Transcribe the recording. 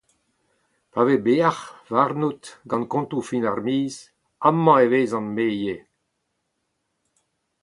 Pa vez bec’h warnout gant kontoù fin ar miz, amañ e vezan, me ivez.